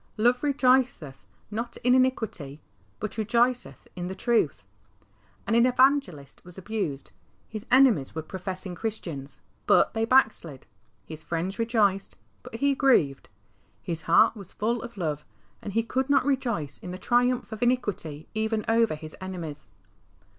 Love rejoiceth not in iniquity, but '' rejoiceth in the truth." An evangelist was abused : his enemies were professing Christians, but they backslid. His friends rejoiced, but he grieved. His heart was full of love, and he could not rejoice in the triumph of iniquity even over his enemies.